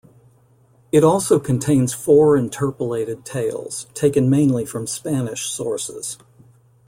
It also contains four interpolated tales, taken mainly from Spanish sources.